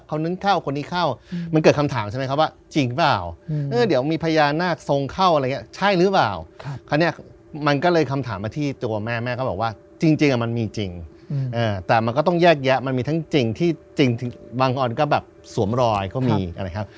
คนนึงเข้าคนนี้เข้ามันเกิดคำถามใช่ไหมครับว่าจริงหรือเปล่า